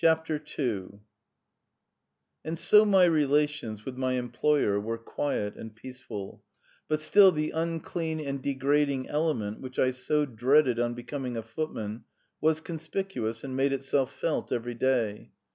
II[edit] And so my relations with my employer were quiet and peaceful, but still the unclean and degrading element which I so dreaded on becoming a footman was conspicuous and made itself felt every day.